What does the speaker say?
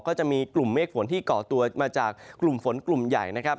ก็จะมีกลุ่มเมฆฝนที่เกาะตัวมาจากกลุ่มฝนกลุ่มใหญ่นะครับ